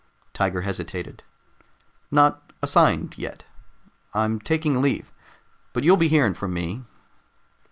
Tiger hesitated. "Not assigned yet. I'm taking a leave. But you'll be hearing from me."